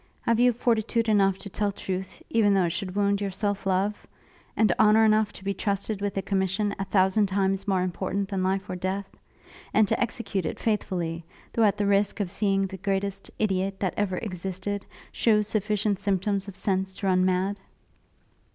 Have you fortitude enough to tell truth, even though it should wound your self love? and honour enough to be trusted with a commission a thousand times more important than life or death? and to execute it faithfully, though at the risk of seeing the greatest idiot that ever existed, shew sufficient symptoms of sense to run mad?'